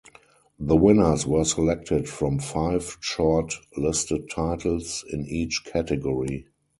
The winners were selected from five short listed titles in each category.